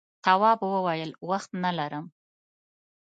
تواب وویل وخت نه لرم.